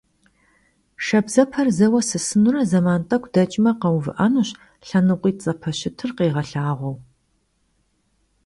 Şşabzeper zeue sısınure, zeman t'ek'u deç'me, kheuvı'enuş lhenıkhuit' zepeşıtır khiğelhağueu.